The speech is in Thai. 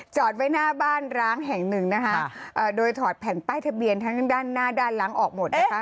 จอดไว้หน้าบ้านร้างแห่งหนึ่งนะคะโดยถอดแผ่นป้ายทะเบียนทั้งด้านหน้าด้านหลังออกหมดนะคะ